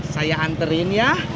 saya anterin ya